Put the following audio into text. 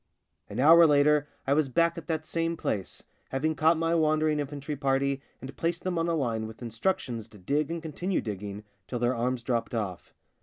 An hour later I was back at that same place, having caught my wandering in fantry party and placed them on a line with instructions to dig and continue digging till their arms dropped off.